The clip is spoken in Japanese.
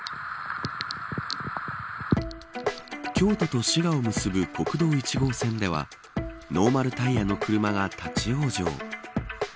京都と滋賀を結ぶ国道１号線ではノーマルタイヤの車が立ち往生。